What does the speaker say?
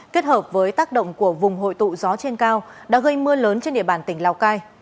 kết hợp với tác động của vùng hội tụ gió trên cao đã gây mưa lớn trên địa bàn tỉnh lào cai